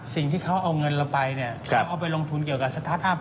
สิ่งที่เขาเอาเงินเราไปเนี่ยเขาเอาไปลงทุนเกี่ยวกับสตาร์ทอัพ